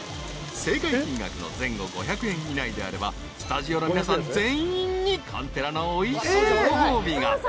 ［正解金額の前後５００円以内であればスタジオの皆さん全員に韓てらのおいしいご褒美が］